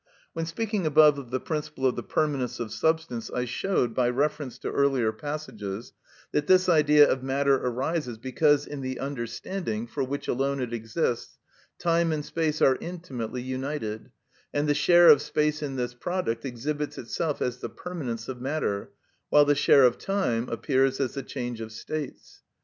When speaking above of the principle of the permanence of substance, I showed, by reference to earlier passages, that this idea of matter arises because in the understanding, for which alone it exists, time and space are intimately united, and the share of space in this product exhibits itself as the permanence of matter, while the share of time appears as the change of states.